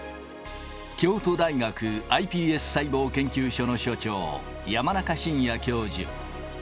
京都大学ｉＰＳ細胞研究所の所長、山中伸弥教授。